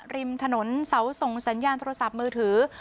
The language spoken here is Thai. ริมถนนเสาส่งสัญญาณโทรศัพท์มือถือ